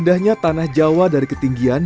indahnya tanah jawa dari ketinggian